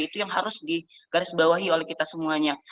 itu yang harus digarisbawahi oleh kita semuanya